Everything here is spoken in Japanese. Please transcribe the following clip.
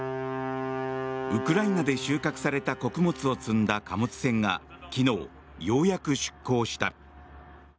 ウクライナで収穫された穀物を積んだ貨物船が昨日、ようやく出港した。